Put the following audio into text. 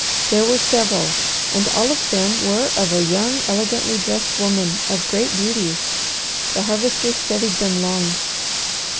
There were several, and all of them were of a young, elegantly dressed woman of great beauty. The Harvester studied them long.